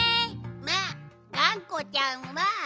まっがんこちゃんは。